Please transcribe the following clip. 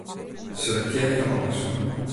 Selektearje alles.